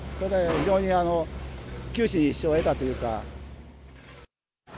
非常に九死に一生を得たというか。